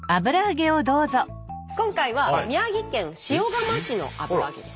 今回は宮城県塩釜市の油揚げです。